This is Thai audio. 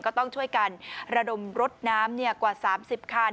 ก็ต้องช่วยการระดมรถน้ำเนี่ยกว่าสามสิบคัน